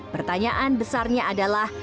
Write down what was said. pertanyaan besarnya adalah